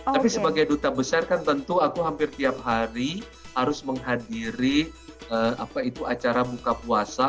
tapi sebagai duta besar kan tentu aku hampir tiap hari harus menghadiri acara buka puasa